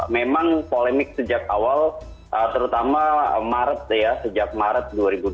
memang polemik sejak awal terutama maret ya sejak maret dua ribu dua puluh